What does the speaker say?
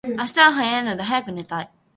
明日は早いので早く寝たい